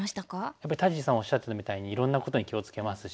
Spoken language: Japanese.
やっぱり田尻さんおっしゃってたみたいにいろんなことに気を付けますし。